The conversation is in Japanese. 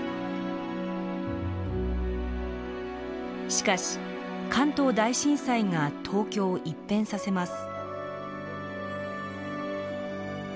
しかし関東大震災が東京を一変させます。